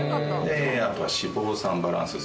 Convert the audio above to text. あとは脂肪酸バランス。